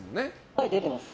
はい、出てます。